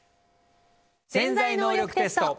「潜在能力テスト」。